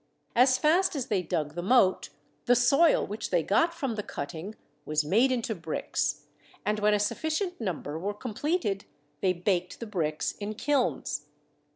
As fast as they dug the moat, the soil which they got from 50 THE SEVEN WONDERS the cutting was made into bricks, and when a suffi cient number were completed they baked the bricks in kilns.